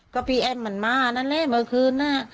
ก็พี่แอ้มมันมานั่นแหละเมื่อคืนน่ะ